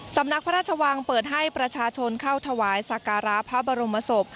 สำนักพระราชวังเปิดให้ประชาชนเข้าถวายสักการะพระบรมศพ